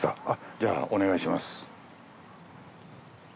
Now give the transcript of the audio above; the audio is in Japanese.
じゃあお願いします。